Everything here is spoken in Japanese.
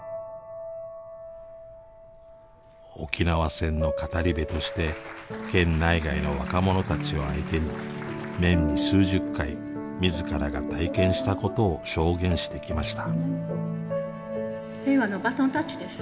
沖縄戦の語り部として県内外の若者たちを相手に年に数十回自らが体験したことを証言してきました。